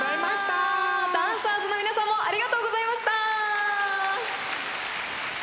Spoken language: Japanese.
ダンサーズの皆さんもありがとうございました。